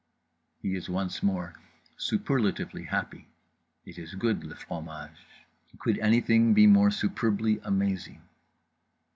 _" He is once more superlatively happy. It is good, le fromage. Could anything be more superbly amazing?